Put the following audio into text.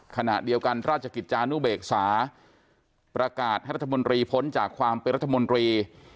ขณะเดียวกันราชกิจจานุเบกษาประกาศให้รัฐมนตรีพ้นจากความเป็นรัฐมนตรี